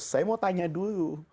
saya mau tanya dulu